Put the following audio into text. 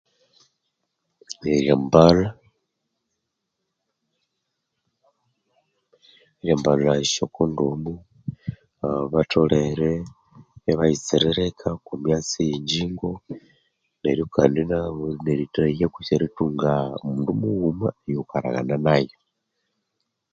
Eryambalha eryambalha esya kondomu aa batholere ibayitsiririka oku myatsi yenjjingo neryo kandi nabo erithahya kutse erithunga mundu mughuma eyaghukaraghana nayo